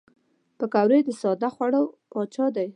پکورې د ساده خوړو پاچا دي